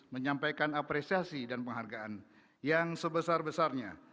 menyampaikan apresiasi dan penghargaan yang sebesar besarnya